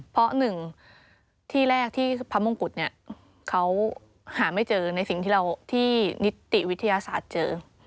เพราะหนึ่งที่แรกที่พระมงกุฎเนี่ยเขาหาไม่เจอในสิ่งที่เราที่นิติวิทยาศาสตร์เจอ